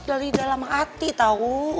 dari dalam hati tahu